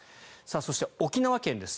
そして、沖縄県です。